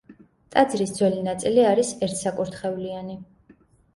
ტაძრის ძველი ნაწილი არის ერთსაკურთხევლიანი.